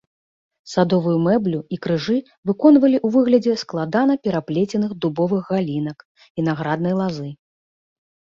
Садовую мэблю і крыжы выконвалі ў выглядзе складана пераплеценых дубовых галінак, вінаграднай лазы.